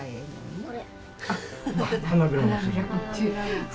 これ。